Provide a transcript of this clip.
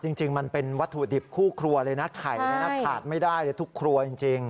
จริงมันเป็นวัตถุดิบคู่ครัวเลยนะไข่ขาดไม่ได้เลยทุกครัวจริง